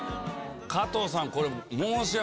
加藤さんこれ。